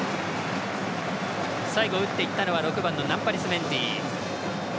最後、打っていったのはナンパリス・メンディ。